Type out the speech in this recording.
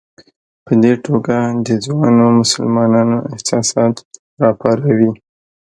په دې توګه د ځوانو مسلمانانو احساسات راپاروي.